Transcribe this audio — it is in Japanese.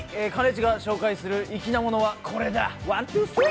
ちが紹介する粋なものはこれだ。